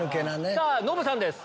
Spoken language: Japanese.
さぁノブさんです。